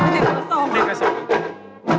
มาตรงแบบนะคะ